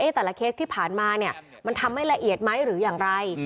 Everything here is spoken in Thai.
แต่ละเคสที่ผ่านมาเนี่ยมันทำไม่ละเอียดไหมหรืออย่างไร